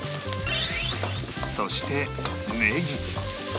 そしてネギ